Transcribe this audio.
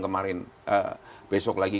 kemarin besok lagi